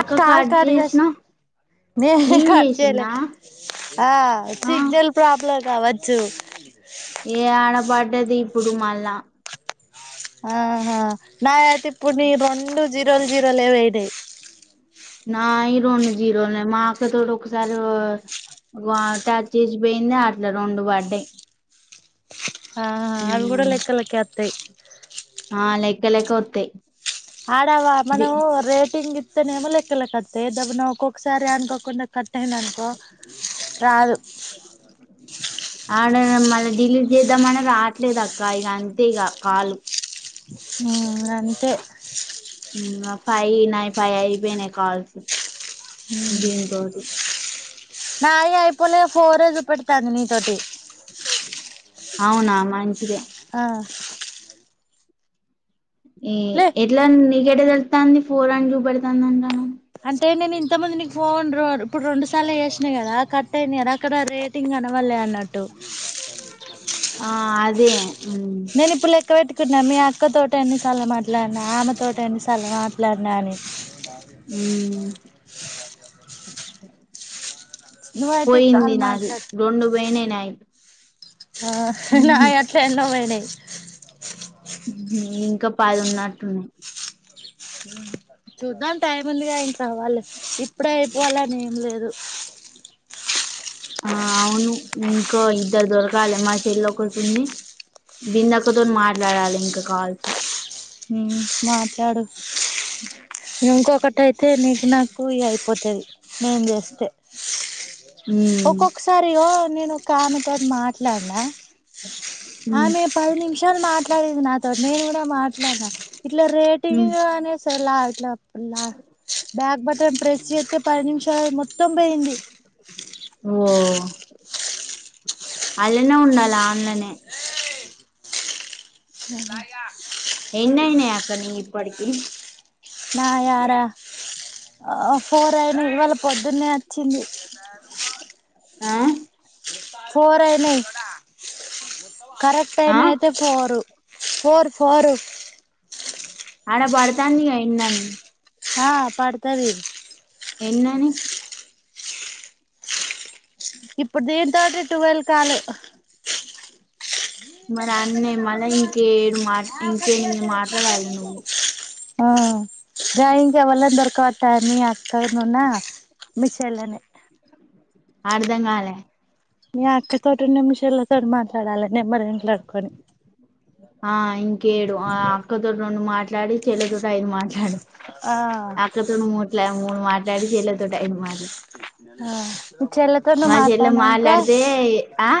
అక్క కల్ కట్ కసి చేసిన న నేను కచ చేసిన్నా ఆ సిగనల్ ప్రాబ్ల కావచ్చు ఏ ఆన పాట దీ కుడుమల్లా ఆహా నా ఇప్పుడు నీ రెండు జీరోలు జీరోలు ఏవ అయి్ నాయి రెండు జీరోలు మా అక్కతోో ఒకసారి టచ్ చేసిపోయింది అట్లా రెండు బడ్డయి ఆ అదిను కూడాడ లేక్కల క అత ంత ఆడవ మన రేటింగ్ ఇ అతే న అమలక్కల కతతే దదవ నవవు ఒక్కొక్కసారి అనుకోకుం కట్ అయిందినుకో రాదు మ మళ్ళీ డెలివీ చేద్దాం అని రావట్లేదు అక్క ఇక అంతే ఇక కాలు అంతే ఫైవ నయి ఫైవ్ అయిపోయినాయి కావల్సు దీంతోటి నాయి అయిపోలే ఫోర్జ పెడుతాంది నీ తోటి అవునా మా అంచిద ఆ ఈ లే ఎట్లా గడ తెతాంది ఫోర్ అనిడ్ చూప పెడతాంది అంటను అంటే నేను ఇంతమంది నీకు ఫోన్ ఇప్పుడు రెండు సార్లు చేసిన కదా కట్ అయినారు అక్కడ రేటింగ్ కనవాలి అన్నట్టు ఆ అదే ఉమ్ నేనుపుులక వ వెేకి చకున్నా మీ అక్క తోట అని చలా మాట్లాడినా ఆమెతోోట అని చలా మాట్లాడినా అని బా ఉమ్ నువ్వైతే ఈ కాల్ పోయింది నాది మాట్లాడు రెండు పోయినే ఆ నా అట్లా ఎన్న పోైనే ఇంకా పదిన్నట్టున్నా చూద్దాం టైం ఉందిగా ఇంట్ అవాలి ఇప్పుడే అయిపోవాల అని ఏం లేదు ఆ అవును ఇంకా ఇద్దరు దొరకాలి మా చెెళ ఒకరి ఉంది బిందక్కతో మాట్లాడాలి ఇంకా కాల్సి మాట్లాడు ఇకా అప్పటి అయితే నీకు నాకు ఇ అయిపోతది నేను చేస్తే ఉమ్ ఒక్కొక్కసారి నేను ఒక కామెతోది మాట్లాడినా ఉమ్ ఆమె పది నిమిషాలు మాట్లాడేది నాతోో నేను కూడా మాట్లాడినా ఇట్లా ఉమ్ రేటింగ్ అనే లా అట్లా అలా బ్యాగ బట్ డ్రెస్ చేస్తతే పది నిమిషాలు మొత్తం పోయింది ఓ అలనే ఉండాలి ఆన్లనే అ ఎన్నయినాయి అక్కని ఇప్పటికి నాయార ఫోర్ అయిన ఇవాళ పొద్దున్నే వచ్చింది ఆ ఫోర్ అయినాయి కరెక్ట్ ఆ అయిన అయితే పోరు ఫర్ ఫార్ అన పడతాంది అయన్నని హా పడత వ ఎన్నని ఇప్పుడు దే తటి టువెల్ కాలు మరి అన్నయ మళ్ళ ఇంకేడు మాట ఇంకేని మాట్లాడాలి నువ్వు ఆ డ్రయింగ్ ఎవల్ దొర్కతాని అక్కన మిస్లనే అర్ధంగాలే నీ అక్క తోటి నిమిషల్లో తోటి మాట్లాడాలి నే మరి మాట్లాడుకొని ఆ ఇంకేడు ఆ అక్క దొ రం మ మాట్లాడి చెల్లదు అయిదు మాట్లాడి ఆ మూడు మాట్లాడి చెల్లెలితో ఐదు మా ఆ చెల్లితోనూ చెల్లె మాట్లాడినాకా మాట్లాడితే ఆ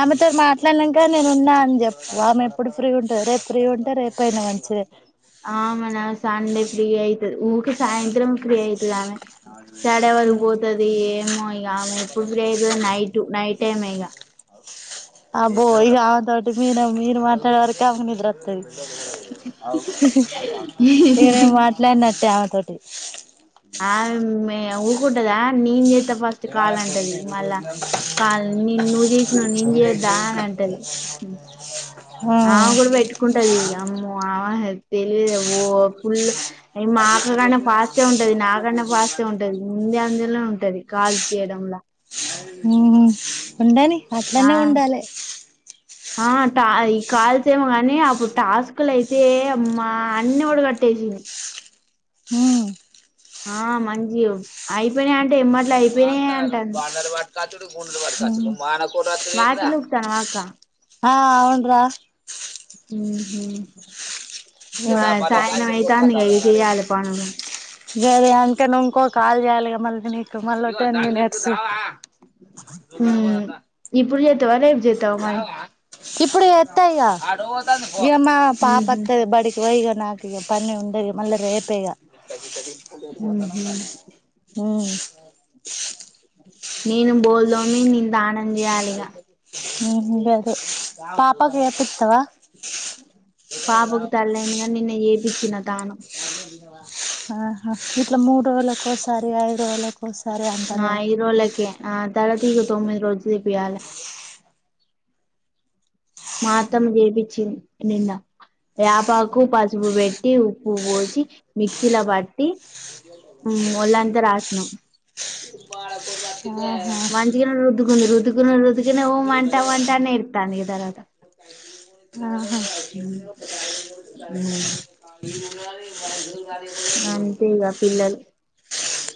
ఆమెతో మాట్లాడినాక నేను ఉన్నా అని చెప్పు ఆమె ఎప్పుడు ఫ్రీ ఉంటది రేపు ఫ్రీ ఉంటే రేపైనా మంచిదే ఆమేనా సండే ఫ్రీ అయితాది ఊక సాయంత్రం ఫ్రీ అయితాది ఆమె స్టడీ అవర్ కి పోతాది ఏమో ఇక ఆమె ఎప్పుడు ఫ్రీ అయితాదో నైట్ నైట్ టైం ఇక అబ్బో ఇక ఆమె తోటి మీన మీరు మాట్లాడ సరికి ఆమెకు నిద్రావస్తాది ఇక నేను మాట్లాడినట్టే ఆమె తోటి ఆ మీ అవక కూంటదా అని ఇలా చ గురుల కాల్ ని నువ్వు చేసినవు నేను చేయొద్దా అని అంటది ఆమె కూడా పెట్టుకుంటాది అమ్మో ఆమే తెలియదు ఓ ఫుల్లు అయి మాక్క కన్నా ఫాస్ట్ గానే ఉంటాది నాకన్నా ఫాస్ గా ఉంటాది ముందు అంజులో అందులో ఉంటాది కాల్స్ చేయడంలో హమ్ ఉండని అట్లాన్నే ఉండాలే ఆ టా ఈ కాల్స్ ఏమో కగాని అప్పుడు టాస్కు లు అయితే అమ్మా అన్ని ఊడ కట్టేసిడు హ్మ్మ్ ఆ మంజీ అయిపోయినా అంటే ఎమర్ అయిపోయినాయి అంటుండ్రు కత్ కూ మాన వాకిలి ఊడుస్తున్నావా అక్కా ఆ అవునరా హ మరి సాయ్రంత్రం అయితాంది గా అ చెయాలి పనులు సరె అంతే నువ్వు కూడా కాల్ చేయాలిగా మళ్ళీ నీ మళ్లో టెన్ మనిట్స్ దకా కోదా రి జత అ మరి ఇప్పుడు ఎత్తాయ్యా ఉహు నాకు ఇక పని ఉండేది మళ్ళీ రేపేక ఉహు ఆ నేను బోల్దు మీ ని దానం చేయాలిగా ఉండ అదు పాపకి వపిస్తవా పాపకి తల్లియింది కానీ నిన్న ఏ బ చిన్నదానం ఆహా ఇట్లా మూడు రోజులక్కసారి ఐదు రోజుల ఆ ఇ రోళ్ళక ఆ తళతిగ తొమ్మిది రోజ దపిియాల మాతం దపిించి నిన్న వపాకు పసుపు పెట్టి ఉప్పు పోసి మిక్సీలో పట్టి ఒళ్ళ అంత రాసినం ఆహా ఇ వంటా వంటానే దనికిదర్ద ఆ అంతేగా పిల్లలు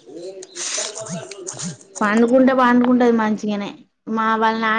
ఏ పండుకుంటే పండుకుంటుది మంచి నే మా వాళ్ళ నా